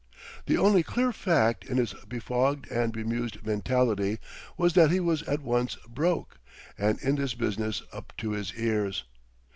The only clear fact in his befogged and bemused mentality was that he was at once "broke" and in this business up to his ears.